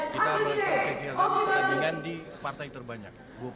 kita harus terkejarkan pertandingan di partai terbanyak